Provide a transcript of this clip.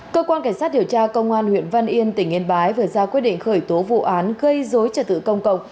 cơ quan cảnh sát điều tra công an huyện văn yên tỉnh yên bái vừa ra quyết định khởi tố vụ án gây dối trật tự công cộng